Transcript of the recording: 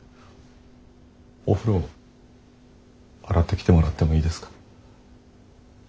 お風呂洗ってきてもらってもいいですか？